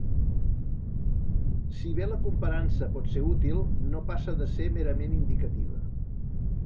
Si bé la comparança pot ser útil, no passa de ser merament indicativa.